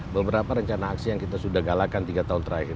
beberapa rencana aksi yang kita sudah galakan tiga tahun terakhir